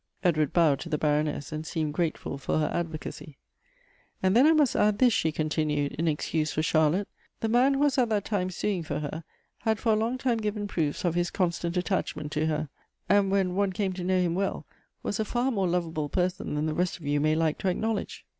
Edward bowed to the Baroness, and seemed grateful for her advocacy. " And then I must add this," she continued, " in excuse for Charlotte. The man who was at that time suing for her, had for a long time given proofs, of his constant attachment to her ; and, when one came to know him well, was a far more loveable person than the rest of you may like to acknowledge."